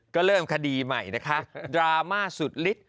ก็เริ่มคดีใหม่นะคะดราม่าสุดฤทธิ